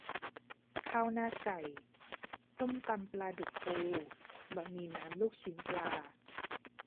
ข้าวหน้าไก่ ส้มตำปลาดุกฟู บะหมี่น้ำลูกชิ้นปลา